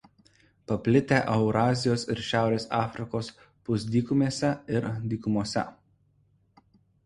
Paplitę Eurazijos ir Šiaurės Afrikos pusdykumėse ir dykumose.